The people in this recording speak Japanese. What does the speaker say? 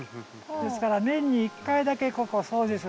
ですから年に１回だけここ掃除するの。